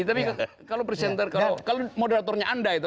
tapi kalau moderatornya anda itu